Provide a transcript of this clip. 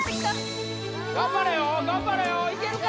頑張れよ頑張れよいけるか？